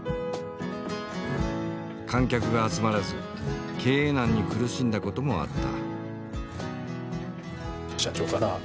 観客が集まらず経営難に苦しんだこともあった。